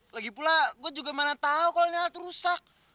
lagipula gue juga mana tau kalau ini ada terusak